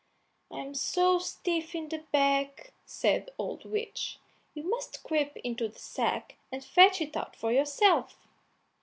"I'm so stiff in the back," said the old witch, "you must creep into the sack and fetch it out for yourself."